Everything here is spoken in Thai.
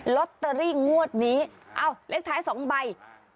ลอตเตอรี่งวดนี้เอ้าเลขท้าย๒ใบ